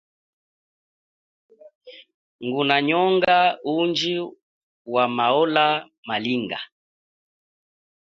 Nguna nyonga undji wa maola malinga.